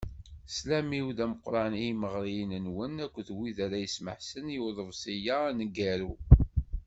Sslam-iw d ameqqran i yimeɣriyen-nwen akked wid ara yesmeḥsen i uḍebsi-a aneggaru.